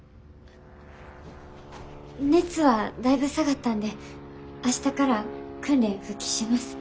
熱はだいぶ下がったんで明日から訓練復帰します。